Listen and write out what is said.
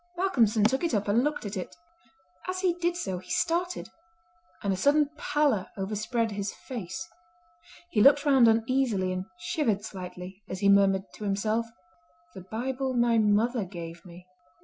Malcolmson took it up and looked at it. As he did so he started, and a sudden pallor overspread his face. He looked round uneasily and shivered slightly, as he murmured to himself: "The Bible my mother gave me!